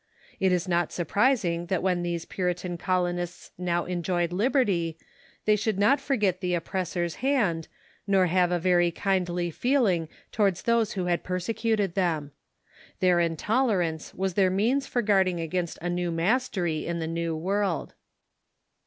It is not surprising that Avhen these Puritan colonists now enjoyed liberty they should not forget the oppressor's hand, nor have a very kindly feeling tow 30 466 THE CIIUKCII IN THE UNITED STATES ards those who had persecuted them. Their intolerance was their means for guarding against a new mastery in the New World.